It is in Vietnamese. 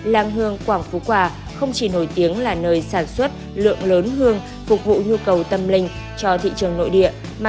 làng hương quảng phú hòa không chỉ nổi tiếng là nơi sản xuất lượng lớn hương phục vụ nhu cầu tâm linh cho thị trường nội địa mà